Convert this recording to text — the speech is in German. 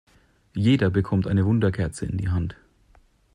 Jeder bekommt eine Wunderkerze in die Hand.